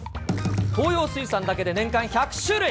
東洋水産だけで年間１００種類。